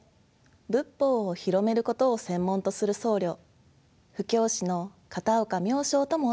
仏法を広めることを専門とする僧侶布教使の片岡妙晶と申します。